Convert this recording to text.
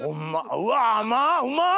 うわ甘うまっ！